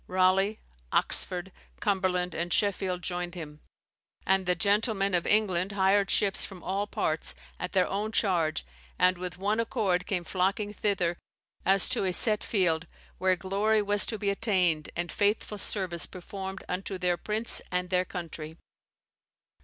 Raleigh, Oxford, Cumberland, and Sheffield joined him; and "the gentlemen of England hired ships from all parts at their own charge, and with one accord came flocking thither as to a set field, where glory was to be attained, and faithful service performed unto their prince and their country."